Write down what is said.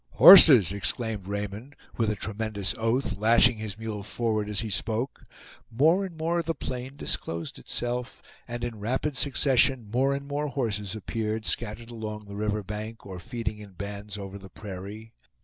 "Horses!" exclaimed Raymond, with a tremendous oath, lashing his mule forward as he spoke. More and more of the plain disclosed itself, and in rapid succession more and more horses appeared, scattered along the river bank, or feeding in bands over the prairie.